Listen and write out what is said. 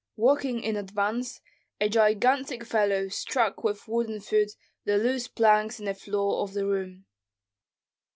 Walking in advance, a gigantic fellow struck with wooden foot the loose planks in the floor of the room.